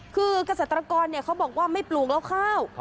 คือเกษตรกรเขาบอกว่าไม่ปลูกแล้วข้าว